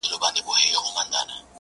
گرېـوانـونه به لانــــده كـــــــــړم،